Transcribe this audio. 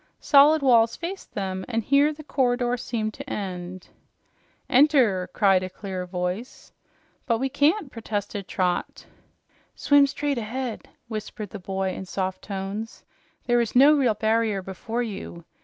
Solid walls faced them, and here the corridor seemed to end. "Enter!" said a clear voice. "But we can't!" protested Trot. "Swim straight ahead," whispered the boy in soft tones. "There is no real barrier before you.